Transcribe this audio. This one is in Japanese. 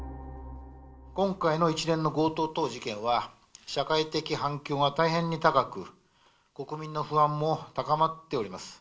今回の一連の強盗等事件は、社会的反響が大変に高く、国民の不安も高まっております。